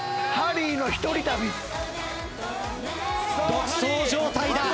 独走状態だ。